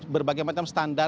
berbagai macam standar